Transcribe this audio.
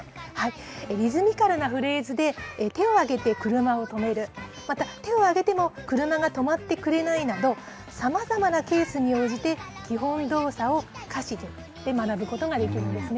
リズミカルなフレーズで手を挙げて車を止める、また、手を挙げても車が止まってくれないなど、さまざまなケースに応じて、基本動作を歌詞で学ぶことができるんですね。